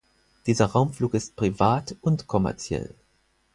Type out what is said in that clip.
Dieser Raumflug ist privat und kommerziell.